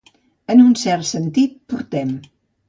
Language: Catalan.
En un cert sentit, portem.